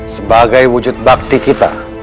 sebagai wujud bakti kita